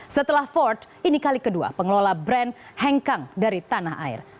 setelah ford ini kali kedua pengelola brand hengkang dari tanah air